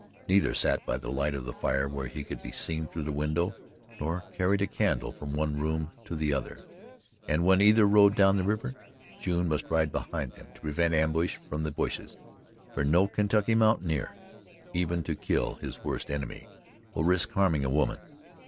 Neither sat by the light of the fire where he could be seen through the window nor carried a candle from one room to the other. And when either rode down the river, June must ride behind him to prevent ambush from the bushes, for no Kentucky mountaineer, even to kill his worst enemy, will risk harming a woman.